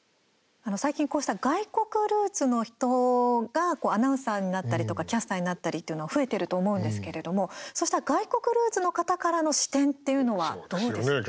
最近、こうした外国ルーツの人がアナウンサーになったりとかキャスターになったりっていうの増えていると思うんですけれどもそうした外国ルーツの方からの視点っていうのは、どうですか？